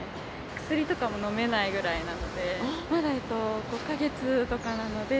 薬とかも飲めないぐらいなので、まだ５か月とかなので。